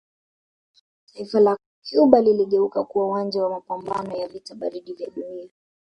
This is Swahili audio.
Taifa la Cuba liligeuka kuwa uwanja wa mapamabano ya vita baridi vya dunia